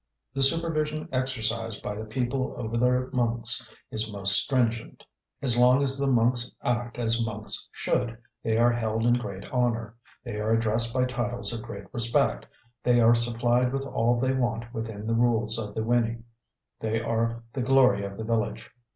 The supervision exercised by the people over their monks is most stringent. As long as the monks act as monks should, they are held in great honour, they are addressed by titles of great respect, they are supplied with all they want within the rules of the Wini, they are the glory of the village.